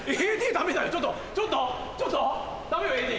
ちょっとちょっとちょっとダメよＡＤ。